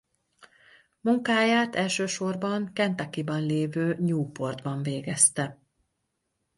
Munkáját elsősorban Kentuckyban lévő Newportban végezte.